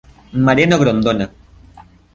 Mariano Grondona